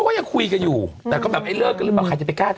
เขาคอยคุยกันอยู่ก็มักไงเลิกกันอีกไปถาม